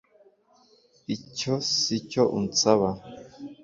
icyo si cyo unsaba